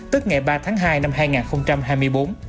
tức ngày ba tháng hai năm hai nghìn hai mươi bốn